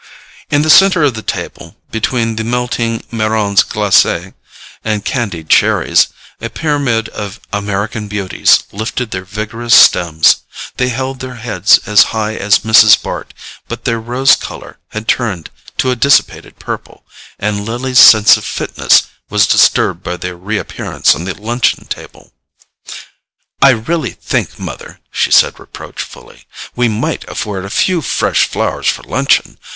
In the centre of the table, between the melting MARRONS GLACES and candied cherries, a pyramid of American Beauties lifted their vigorous stems; they held their heads as high as Mrs. Bart, but their rose colour had turned to a dissipated purple, and Lily's sense of fitness was disturbed by their reappearance on the luncheon table. "I really think, mother," she said reproachfully, "we might afford a few fresh flowers for luncheon.